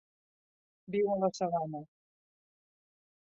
Viu a la sabana.